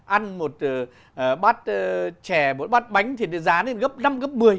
ăn một bát chè một bát bánh thì giá lên gấp năm gấp một mươi